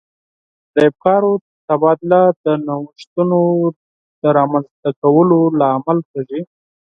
د افکارو تبادله د نوښتونو د رامنځته کولو لامل کیږي.